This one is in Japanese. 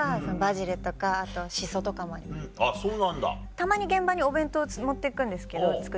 たまに現場にお弁当持って行くんですけど作って。